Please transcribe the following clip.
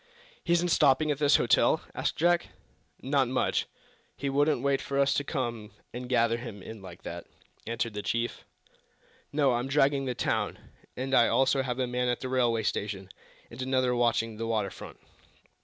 "He isn't stopping at this hotel?" asked Jack. "Not much! He wouldn't wait for us to come and gather him in like that," answered the chief. "No; I'm dragging the town, and I also have a man at the railway station, and another watching the water front."